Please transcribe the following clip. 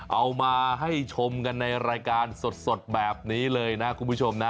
เอามาให้ชมกันในรายการสดแบบนี้เลยนะคุณผู้ชมนะ